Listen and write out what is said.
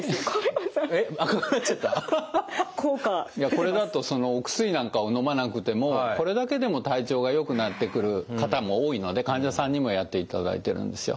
これだとお薬なんかをのまなくてもこれだけでも体調がよくなってくる方も多いので患者さんにもやっていただいてるんですよ。